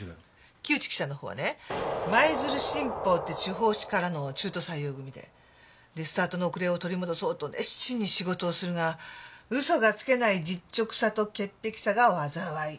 木内記者の方はね舞鶴新報って地方紙からの中途採用組でスタートの遅れを取り戻そうと熱心に仕事をするが嘘がつけない実直さと潔癖さが災い